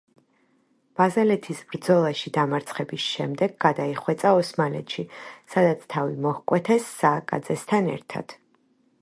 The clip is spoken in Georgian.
ბაზალეთის ბრძოლაში დამარცხების შემდეგ გადაიხვეწა ოსმალეთში, სადაც თავი მოჰკვეთეს სააკაძესთან ერთად.